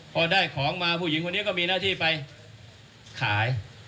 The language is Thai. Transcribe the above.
พอได้ของมาผู้หญิงคนนี้ก็มีหน้าที่ไปขาย